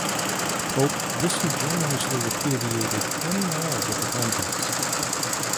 Pope disingenuously repudiated any knowledge of the contents.